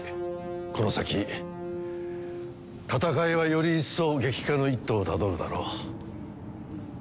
この先戦いはより一層激化の一途をたどるだろう。